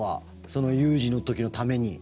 その有事の時のために。